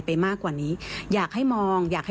คุณผู้ชมไปฟังเธอธิบายแล้วกันนะครับ